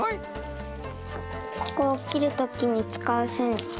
ここをきるときにつかうせん。